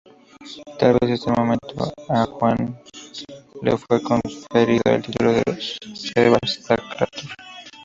Tal vez en este momento a Juan le fue conferido el título de sebastocrátor.